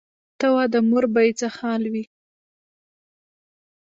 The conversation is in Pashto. ته وا د مور به یې څه حال وي.